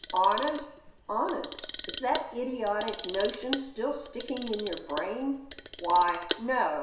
"Honest?" "Honest! Is that idiotic notion still sticking in your brain?" "Why, no.